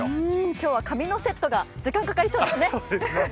今日は髪のセットが時間かかりそうですね。